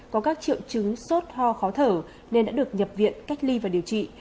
có các triệu chứng sốt ho khó thở nên đã được nhập viện cách ly và điều trị